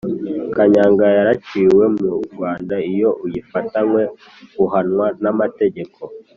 kanyanga yaraciwe mu rwanda iyo uyifatanywe uhanwa namategeko